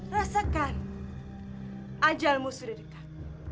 rasakan ajalmu sudah dekat